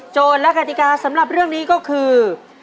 และกติกาสำหรับเรื่องนี้ก็คือ